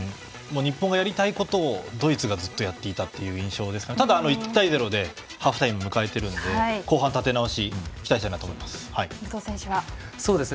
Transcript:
日本のやりたいことをドイツがずっとやっていた印象でただ、１対０でハーフタイムを迎えたので後半の立て直しに期待したいと思います。